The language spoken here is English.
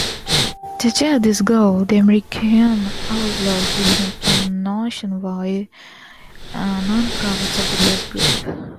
To achieve this goal the American Outlaws became a nationwide, non-profit, supporters' group.